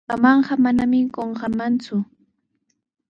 Mamaaqa manami qunqamanku.